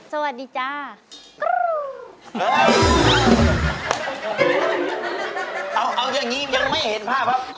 เอาอย่างนี้อย่างงี้ยังไม่เห็นภาพครับ